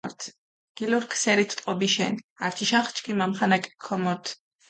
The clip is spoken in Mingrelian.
გილურქ სერით ტყობიშენ, ართიშახ ჩქიმ ამხანაგიქ ქომორთ.